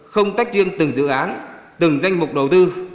không tách riêng từng dự án từng danh mục đầu tư